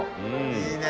いいね。